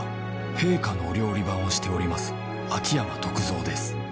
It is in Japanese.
「陛下のお料理番をしております秋山篤蔵です」